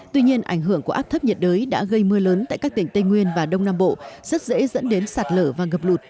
tuy nhiên ảnh hưởng của áp thấp nhiệt đới đã gây mưa lớn tại các tỉnh tây nguyên và đông nam bộ rất dễ dẫn đến sạt lở và ngập lụt